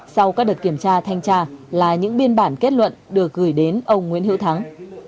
sau các đợt kiểm tra thanh tra là những biên bản kết luận được gửi đến ông nguyễn hữu thắng